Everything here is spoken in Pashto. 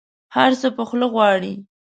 هر څه په خوله غواړي.